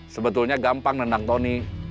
sebetulnya gampang nendang tony